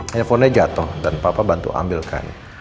handphone nya jatuh dan papa bantu ambilkan